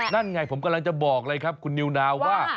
นั่นไงผมกำลังจะบอกเลยครับคุณนิวนาวว่า